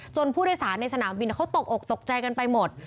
ผู้โดยสารในสนามบินเขาตกอกตกใจกันไปหมด